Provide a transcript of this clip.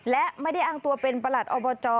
และไม่ได้อ้างตัวเป็นประหลัดอบจ